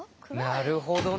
なるほどね。